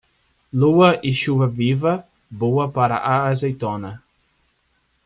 Lua e chuva viva, boa para a azeitona.